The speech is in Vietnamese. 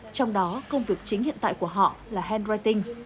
trong đó công việc chính hiện tại của họ là handrighting